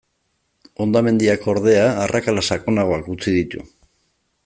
Hondamendiak, ordea, arrakala sakonagoak utzi ditu.